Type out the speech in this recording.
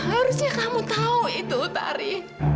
harusnya kamu tahu itu tari